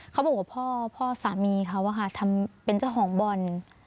เขาบอกว่าพ่อพ่อสามีเขาทำเป็นเจ้าของบอล